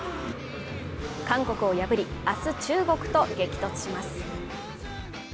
韓国を破り明日中国と激突します